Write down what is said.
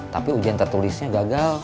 tapi ujian tertulisnya gagal